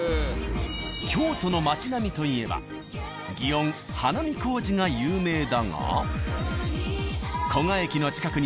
京都の街並みといえば祇園花見小路が有名だが。